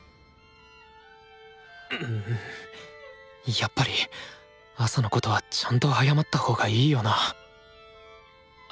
やっぱり朝のことはちゃんと謝ったほうがいいよなぁあ